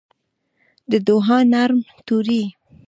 د دوعا نرم توري